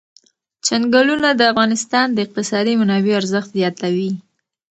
چنګلونه د افغانستان د اقتصادي منابعو ارزښت زیاتوي.